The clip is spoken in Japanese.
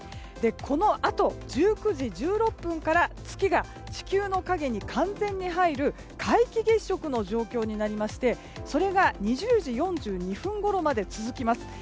このあと、１９時１６分から月が地球の影に完全に入る皆既月食の状況になりましてそれが２０時４２分ごろまで続きます。